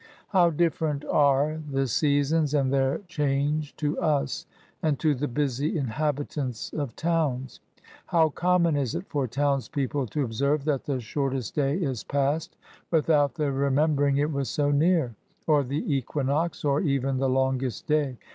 How different are " the seasons, and their change," to us, and to the busy inhabitants of towns! How common is it for townspeople to observe, that the shortest day is past without their remembering it was so near ! or the equinox, or even the longest day